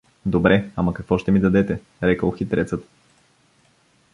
— Добре, ама какво ще ми дадете? — рекъл хитрецът.